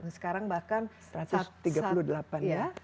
sekarang bahkan satu ratus tiga puluh delapan ya